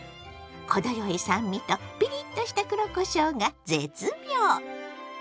程よい酸味とピリッとした黒こしょうが絶妙！